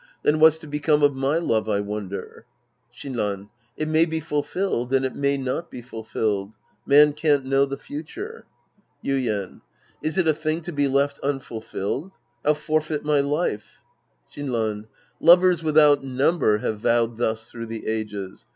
Then Vi'hat's to become of my love, I wonder ? Shinran. It may be fulfilled and it may not be fulfilled. Man can't know the future. Yiden. Is it a thing to be left unfulfilled ? I'll forfeit my life. Shinran. Lovers without number have vowed thus through the ages.